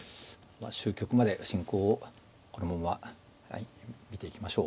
まあ終局まで進行をこのまま見ていきましょう。